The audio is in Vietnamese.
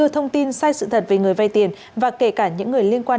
thông tin sai sự thật về người vay tiền và kể cả những người liên quan